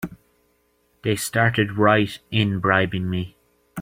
They started right in bribing me!